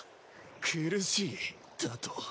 苦しいだと？